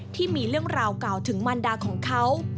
ที่มีเรื่องราวกล่าวถึงมันดาของเขา